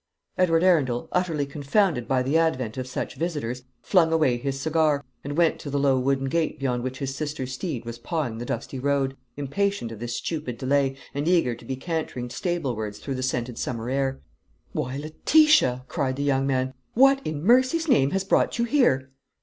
Edward Arundel, utterly confounded by the advent of such visitors, flung away his cigar, and went to the low wooden gate beyond which his sister's steed was pawing the dusty road, impatient of this stupid delay, and eager to be cantering stablewards through the scented summer air. "Why, Letitia!" cried the young man, "what, in mercy's name, has brought you here?"